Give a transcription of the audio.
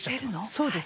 そうです。